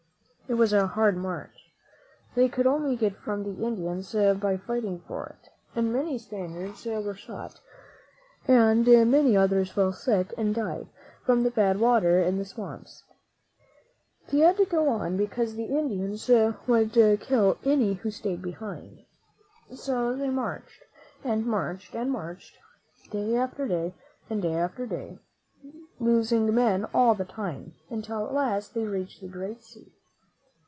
It was a hard march. They could only get food from the Indians by fighting for it, and many Spaniards iia ^^ amii4» I >*! THE NOBLE WHO BECAME A SLAVE ; 7C •«? were shot, and many others fell sick and died from the bad water in the swamps. They had to jgo on, because the Indians would kill any who stayed behind. So they marched, and marched, and marched, day after day, and day after day, losing men all the time, until at last they reached the great sea.